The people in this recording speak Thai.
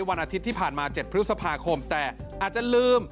วันอาทิตย์ที่ผ่านมา๗พฤษภาคมแต่อาจจะลืม